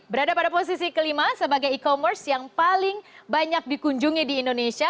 berada pada posisi kelima sebagai e commerce yang paling banyak dikunjungi di indonesia